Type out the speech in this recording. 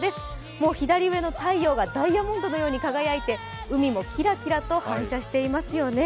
もう左上の太陽がダイヤモンドのように輝いて、海もきらきらと反射していますよね。